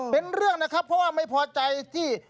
เป็นเรื่องนะครับเพราะว่าไม่พอใจที่